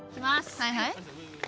はいはい。